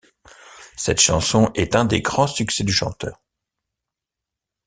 Cette chanson est un des grands succès du chanteur.